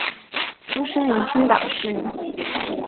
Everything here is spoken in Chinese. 出生于青岛市。